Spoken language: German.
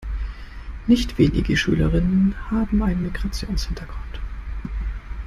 Nicht wenige Schülerinnen haben einen Migrationshintergrund.